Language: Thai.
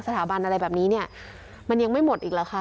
สถาบันอะไรแบบนี้เนี่ยมันยังไม่หมดอีกเหรอคะ